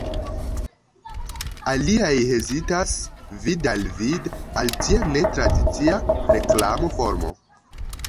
Aliaj hezitas vid-al-vide al tia netradicia reklamo-formo.